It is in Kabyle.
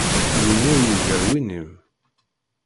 Win-iw yugar win-im.